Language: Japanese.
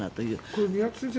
これ、宮田先生